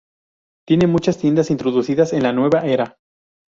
Tiene muchas tiendas introducidas en la Nueva era.